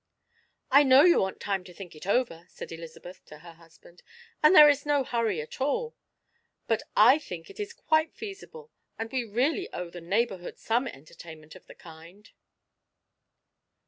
"I know you want time to think it over," said Elizabeth to her husband, "and there is no hurry at all; but I think it is quite feasible, and we really owe the neighbourhood some entertainment of the kind."